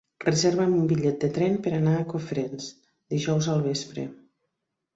Reserva'm un bitllet de tren per anar a Cofrents dijous al vespre.